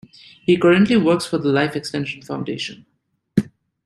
He currently works for the Life Extension Foundation.